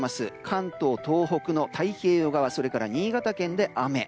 関東、東北の太平洋側それから新潟県で雨。